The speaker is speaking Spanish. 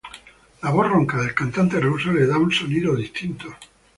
La voz ronca del cantante ruso les da un sonido distinto.